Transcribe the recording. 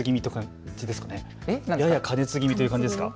やや過熱すぎという感じですか。